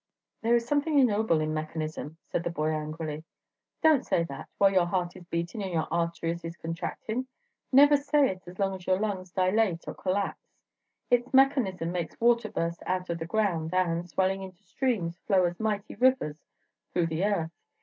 "There is something ignoble in mechanism," said the boy, angrily. "Don't say that, while your heart is beatin' and your arteries is contractin; never say it as long as your lungs dilate or collapse. It's mechanism makes water burst out of the ground, and, swelling into streams, flow as mighty rivers through the earth.